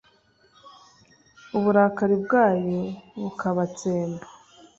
uburakari bwayo bukabatsemba